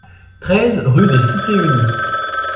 treize rue des Cités Unies